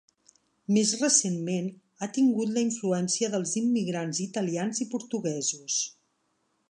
Més recentment, ha tingut la influència dels immigrants italians i portuguesos.